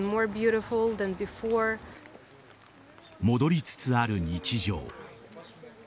戻りつつある日常。